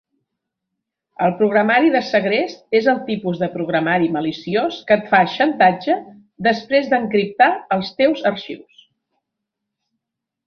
El programari de segrest és el tipus de programari maliciós que et fa xantatge després d'encriptar els teus arxius.